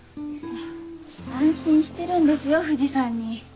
安心してるんですよ藤さんに。